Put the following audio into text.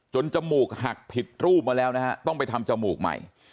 จมูกหักผิดรูปมาแล้วนะฮะต้องไปทำจมูกใหม่